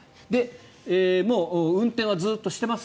もう運転はずっとしてます